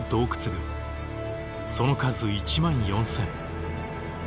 その数１万４，０００。